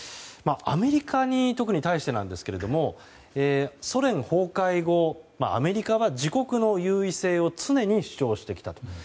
アメリカに特に対してなんですけどもソ連崩壊後アメリカは自国の優位性を常に主張してきたと。